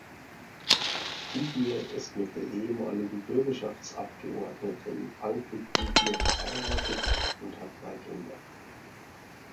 Kuhbier ist mit der ehemaligen Bürgerschaftsabgeordneten Anke Kuhbier verheiratet und hat drei Kinder.